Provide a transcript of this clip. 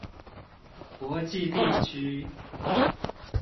國際地區